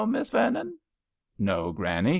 Miss Vernon ?"" No, Granny.